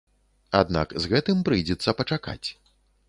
Аднак з гэтым прыйдзецца пачакаць.